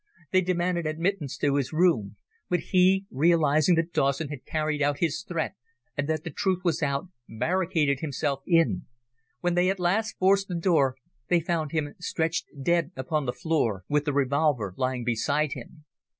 They demanded admittance to his room, but he, realising that Dawson had carried out his threat and that the truth was out, barricaded himself in. When they at last forced the door, they found him stretched dead upon the floor with a revolver lying beside him."